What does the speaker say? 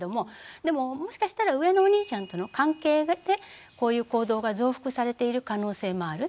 でももしかしたら上のお兄ちゃんとの関係でこういう行動が増幅されている可能性もある。